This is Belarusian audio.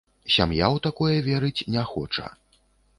Сям'я ў такое верыць не хоча.